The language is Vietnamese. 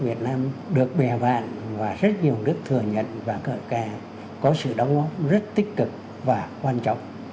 việt nam được bè bạn và rất nhiều nước thừa nhận và kè có sự đóng góp rất tích cực và quan trọng